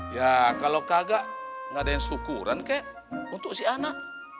ya kalau kagak nggak ada yang syukuran kek untuk si anak